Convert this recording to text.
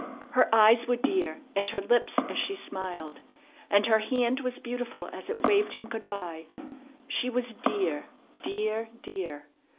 Her eyes were dear, and her lips as she smiled; and her hand was beautiful as it waved him good by. She was dear, dear, dear!